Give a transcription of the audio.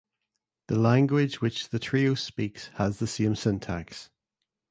The language which the trio speaks has the same syntax.